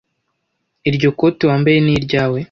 Iryo kote wambaye ni iryawe?”